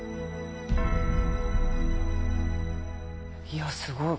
いやすごい。